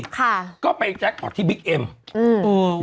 ค่ะก็ไปแจ็คพอร์ตที่บิ๊กเอ็มอืม